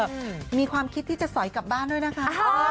อืมมีความคิดที่จะสอยกลับบ้านด้วยนะคะ